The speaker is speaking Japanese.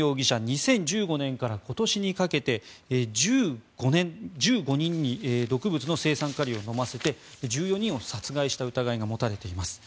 ２０１５年から今年にかけて１５人に毒物の青酸カリを飲ませて１４人を殺害した疑いが持たれています。